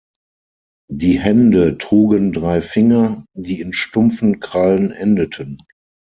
Die Hände trugen drei Finger, die in stumpfen Krallen endeten.